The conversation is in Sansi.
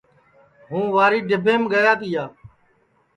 ہُوں واری ڈبھینٚم گیا تِیا